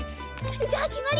じゃあ決まり。